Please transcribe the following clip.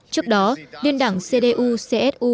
trước đó liên đảng cdu csu